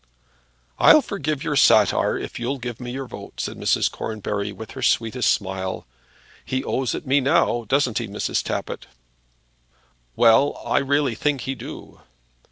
"I'll forgive your satire if you'll give me your vote," said Mrs. Cornbury, with her sweetest smile. "He owes it me now; doesn't he, Mrs. Tappitt?" "Well, I really think he do."